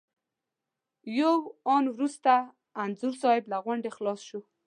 یو آن وروسته انځور صاحب له غونډې خلاص شو.